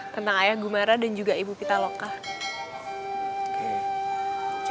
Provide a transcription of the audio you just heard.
tentang ayah gumara dan ibu pitaloang ini ya